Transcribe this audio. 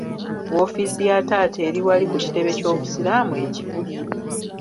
Woofiisi ya taata eri wali ku kitebe ky’Obusiraamu e Kibuli.